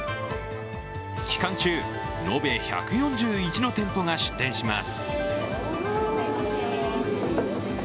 期間中延べ１４１の店舗が出店します。